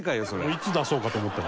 いつ出そうかと思ってた。